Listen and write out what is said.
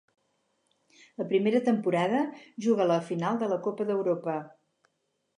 La primera temporada juga la final de la Copa d'Europa.